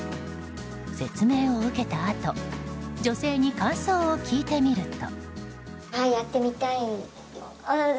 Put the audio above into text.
説明を受けたあと女性に感想を聞いてみると。